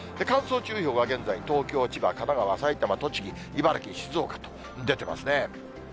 乾燥注意報が現在、東京、千葉、神奈川、埼玉、栃木、茨城、静岡と出てますね。